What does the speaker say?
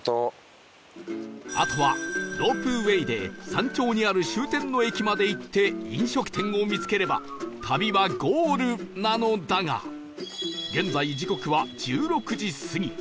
あとはロープウェイで山頂にある終点の駅まで行って飲食店を見つければ旅はゴールなのだが現在時刻は１６時過ぎ